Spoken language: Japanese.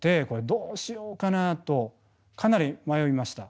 どうしようかなとかなり迷いました。